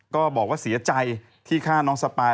ก็บอกว่าเสียใจที่ฆ่าน้องสปาย